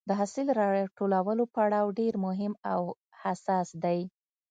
د حاصل راټولولو پړاو ډېر مهم او حساس دی.